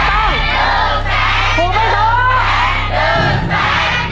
ถูกถูกถูก